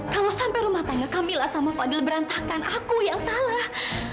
kalau sampai rumah tangga kamilah sama fadil berantakan aku yang salah